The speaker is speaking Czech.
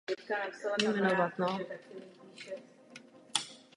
Rozsah obchodního trhu Brazílie pro Evropské vývozce nesmí být podceňován.